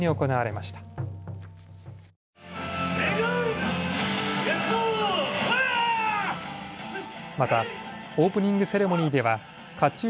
またオープニングセレモニーではかっちゅう